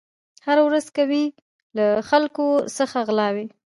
هره ورځ کوي له خلکو څخه غلاوي